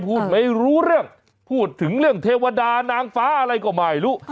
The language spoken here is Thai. พูดไม่รู้เรื่องพูดถึงเรื่องเทวดานางฟ้าอะไรก็ไม่รู้